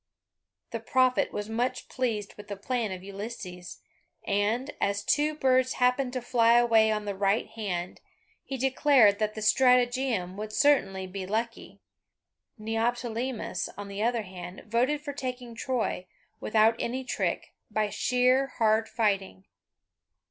The prophet was much pleased with the plan of Ulysses, and, as two birds happened to fly away on the right hand, he declared that the stratagem would certainly be lucky. Neoptolemus, on the other hand, voted for taking Troy, without any trick, by sheer hard fighting.